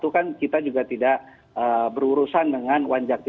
kan kita juga tidak berurusan dengan wanjakti